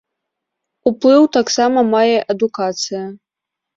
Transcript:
Уплыў таксама мае адукацыя.